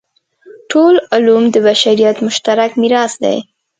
ټول علوم د بشریت مشترک میراث دی.